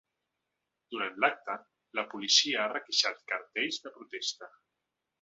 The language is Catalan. Durant l’acte, la policia ha requisat cartells de protesta.